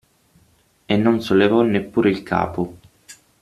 E non sollevò neppure il capo.